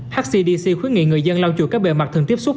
hcdc khuyến nghị người dân lau chội các bề mặt thường tiếp xúc